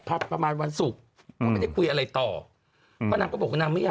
ประมาณวันสุขก็ไม่ได้คุยอะไรต่อก็นางก็บอกว่านางมีอ่ะ